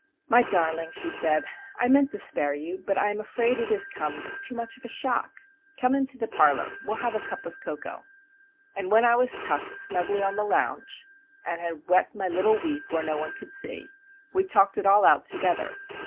"My darling," she said, "I meant to spare you; but I am afraid it has come as too much of a shock. Come into the parlour. We will have a cup of cocoa." And when I was tucked snugly on the lounge and had wept my little weep where no one could see,—we talked it all out together.